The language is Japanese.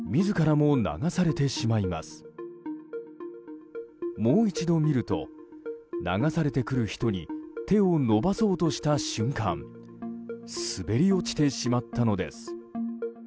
もう一度、見ると流されてくる人に手を伸ばそうとした瞬間滑り落ちてしまったのです。